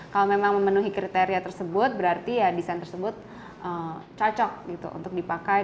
kalau memang memenuhi kriteria tersebut berarti ya desain tersebut cocok gitu untuk dipakai